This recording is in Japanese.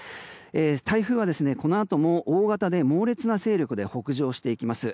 台風は、このあとも大型で猛烈な勢力で北上します。